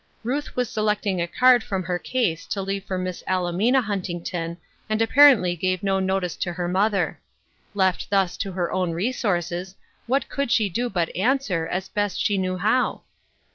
Ruth was selecting A Society Cross, 147 a card fi*om her case to leave for Miss Almina Huntington, and apparently gave no notice to her mother. Left thus to her own resources, what could she do but answer, as best she knew how?